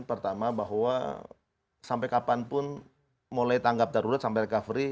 pertama bahwa sampai kapanpun mulai tanggap darurat sampai recovery